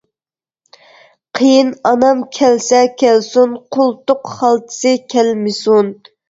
قېيىن ئانام كەلسە كەلسۇن، قولتۇق خالتىسى كەلمىسۇن.